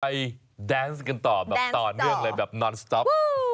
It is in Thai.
แดนส์กันต่อแบบต่อเนื่องเลยแบบนอนสต๊อก